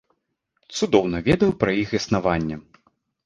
Цудоўна ведаю пра іх існаванне.